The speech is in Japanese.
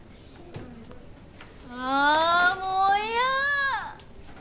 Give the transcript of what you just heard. あもう嫌！